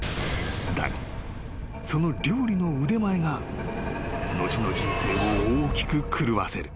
［だがその料理の腕前が後の人生を大きく狂わせる］